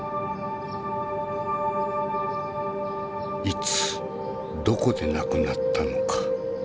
いつどこで亡くなったのか。